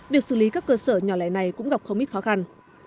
việc xử lý các cơ sở nhỏ lẻ này cũng gặp không ít khó khăn